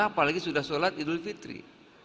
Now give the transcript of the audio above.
apalagi sudah sholat idul fitri